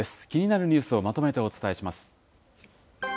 気になるニュースをまとめてお伝えします。